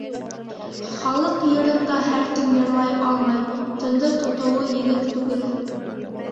Халыҡ йырын да һәр кем йырлай алмай, тынды тотоуы еңел түгел.